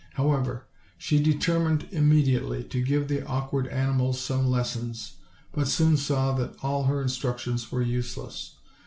However, she determined immediately to give the awk ward animals some lessons, but soon saw that all her instructions were useless.